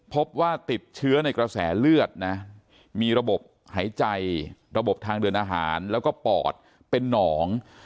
พบว่าติดเชื้อในกระแสเลือดนะมีระบบหายใจระบบทางเดินอาหารแล้วก็ปอดเป็นหนอง